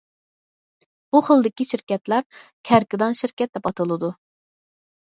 بۇ خىلدىكى شىركەتلەر« كەركىدان شىركەت» دەپ ئاتىلىدۇ.